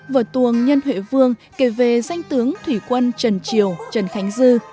vở tuồng nhân huệ vương kể về danh tướng thủy quân trần triều trần khánh dư